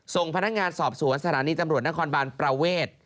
ส่งพนักงานสอบสวนสถานีตำรวจนักพุทธพระเวทย์